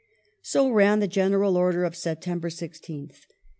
So ran the general order of September 16th.